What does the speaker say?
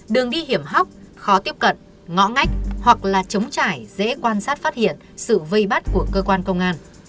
đường đi hiểm hóc khó tiếp cận ngõ ngách hoặc là chống trải dễ quan sát phát hiện sự vây bắt của cơ quan công an